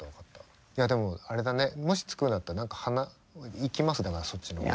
いやでもあれだねもし作るんだったら何か行きますだからそっちの方に。